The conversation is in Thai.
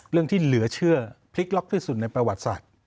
ที่เหลือเชื่อพลิกล็อกที่สุดในประวัติศาสตร์